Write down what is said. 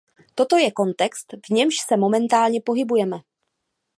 Toto je kontext, v němž se momentálně pohybujeme.